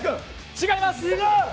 違います！